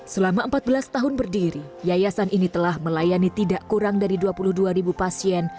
selama empat belas tahun berdiri yayasan ini telah melayani tidak kurang dari dua puluh dua ribu pasien